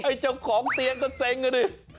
ไอ้เจ้าของเตียงก็เซ็งกันดิ